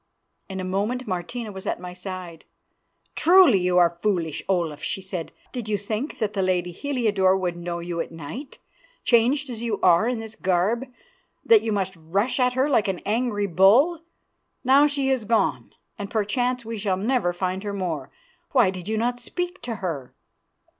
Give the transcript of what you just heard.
In a moment Martina was at my side. "Truly you are foolish, Olaf," she said. "Did you think that the lady Heliodore would know you at night, changed as you are and in this garb, that you must rush at her like an angry bull? Now she has gone, and perchance we shall never find her more. Why did you not speak to her?"